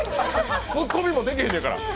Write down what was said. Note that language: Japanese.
ツッコミもできへんねんから！